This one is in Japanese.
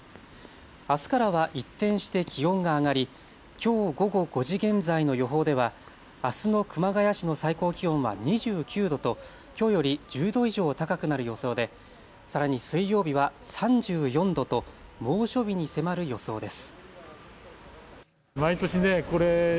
あすからは一転して気温が上がりきょう午後５時現在の予報ではあすの熊谷市の最高気温は２９度ときょうより１０度以上高くなる予想でさらに水曜日は３４度と猛暑日に迫る予想です。